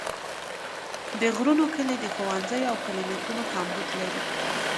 د غرونو کلي د ښوونځیو او کلینیکونو کمبود لري.